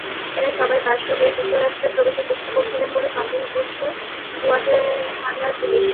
এঁরা সবাই বাসযোগে যুক্তরাষ্ট্রে প্রবেশের চেষ্টা করছিলেন বলে সন্দেহ করছে গুয়াতেমালার পুলিশ।